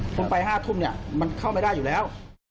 ต้องไป๕ทุ่มมันเข้าไปได้อยู่แล้ว